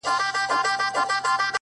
• اوس د زمریو له برېتونو سره لوبي کوي,